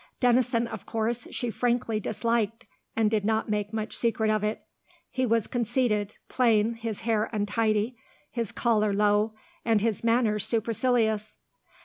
Denison, of course, she frankly disliked, and did not make much secret of it. He was conceited, plain, his hair untidy, his collar low, and his manners supercilious.